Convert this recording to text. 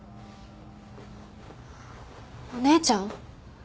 お姉ちゃん？